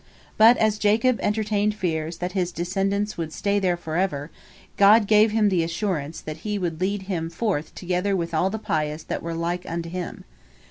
But as Jacob entertained fears that his descendants would stay there forever, God gave him the assurance that He would lead him forth together with all the pious that were like unto him.